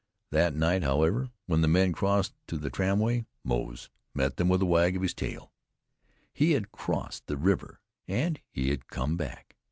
That night, however, when the men crossed on the tramway, Moze met them with a wag of his tail. He had crossed the river, and he had come back!